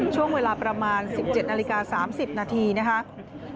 ช่วงเวลาประมาณ๑๗นาฬิกา๓๐นาทีนะครับ